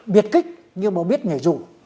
biệt kích nhưng mà biết nhảy dù